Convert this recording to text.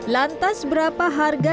lantas berapa harga